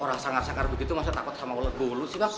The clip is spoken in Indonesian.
orang sanggar sanggar begitu masa takut sama ulat bulu sih nak